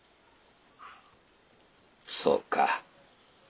そうか。